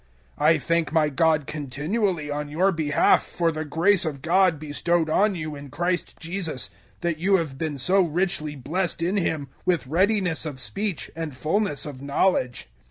001:004 I thank my God continually on your behalf for the grace of God bestowed on you in Christ Jesus 001:005 that you have been so richly blessed in Him, with readiness of speech and fulness of knowledge.